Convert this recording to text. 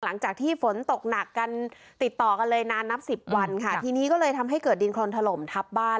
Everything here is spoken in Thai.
หลังจากที่ฝนตกหนักกันติดต่อกันเลยนานนับสิบวันค่ะทีนี้ก็เลยทำให้เกิดดินโครนถล่มทับบ้าน